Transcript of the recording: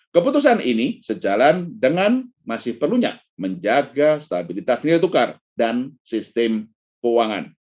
keputusan ini sejalan dengan masih perlunya menjaga stabilitas nilai tukar dan sistem keuangan